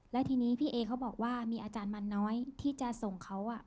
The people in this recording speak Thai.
แล้วทีนี้พี่เอเขาบอกว่ามีอาจารย์มันน้อยที่จะส่งเขา